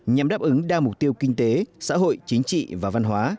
nhằm đáp ứng đa mục tiêu kinh tế xã hội chính trị và văn hóa